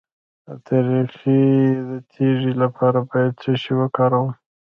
د تریخي د تیږې لپاره باید څه شی وکاروم؟